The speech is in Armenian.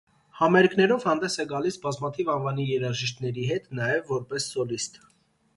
Համերգներով հանդես է գալիս բազմատիվ անվանի երաժիշտների հետ, նաև որպես սոլիստ։